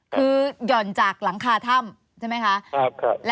คือหย่อนจากรังคาถ้ำใช่ไหมคะครับครับ